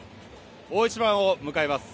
大一番を迎えます。